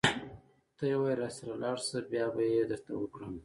ته يوارې راسره لاړ شه بيا به يې درته وکړم.